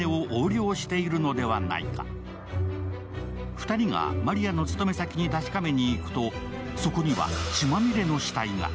２人がまりあの勤め先に確かめに行くとそこには、血まみれの死体が。